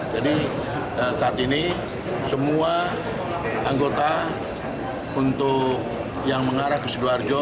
jadi saat ini semua anggota untuk yang mengarah ke sidoarjo